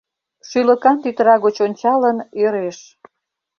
Шӱлыкан тӱтыра гоч ончалын, ӧреш.